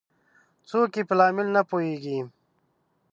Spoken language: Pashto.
څوک یې په لامل نه پوهیږي